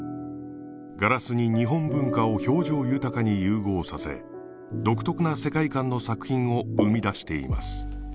ガラスに日本文化を表情豊かに融合させ独特な世界観の作品を生みだしています